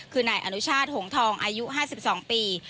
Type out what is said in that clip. คือนายอนุชาติหงทองอายุ๕๒ปี